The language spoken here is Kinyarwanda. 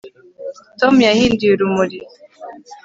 Tom yahinduye urumuri